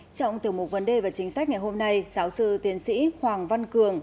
trong tiểu mục vấn đề và chính sách ngày hôm nay giáo sư tiến sĩ hoàng văn cường